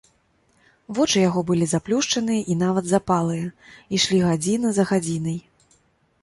Вочы яго былі заплюшчаныя і нават запалыя, ішлі гадзіна за гадзінай.